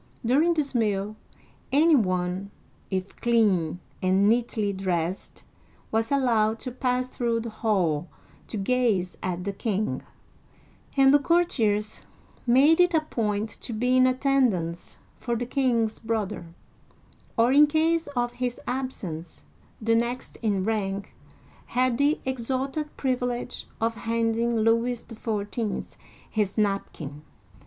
During this meal, any one — if clean and neatly dressed — was allowed to pass through the hall to gaze at the king ; and the courtiers made it a point to be in attendance, for the king's brother, or in case of his absence, the next in rank, had the exalted privilege of handing Louis XIV. his napkin